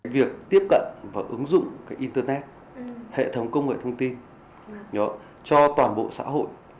việc tiếp cận và ứng dụng internet hệ thống công nghệ thông tin cho toàn bộ xã hội